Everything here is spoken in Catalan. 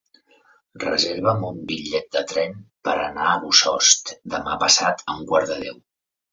Reserva'm un bitllet de tren per anar a Bossòst demà passat a un quart de deu.